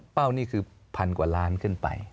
นี่คือพันกว่าล้านขึ้นไป